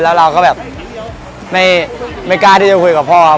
แล้วเราก็แบบไม่กล้าที่จะคุยกับพ่อครับ